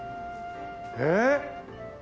えっ！？